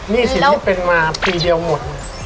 นี่สิทธิ์หนึ่งเป็นมาปีเดียวหมด